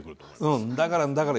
「んだからんだから」